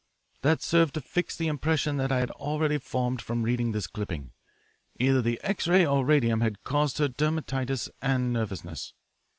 That served to fix the impression that I had already formed from reading this clipping. Either the X ray or radium had caused her dermatitis and nervousness.